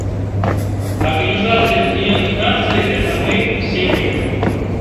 Организация Объединенных Наций — это мы, все мы.